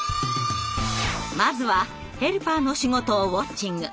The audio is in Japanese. まずはヘルパーの仕事をウォッチング。